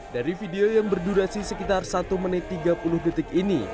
dari video yang berdurasi sekitar satu menit tiga puluh detik ini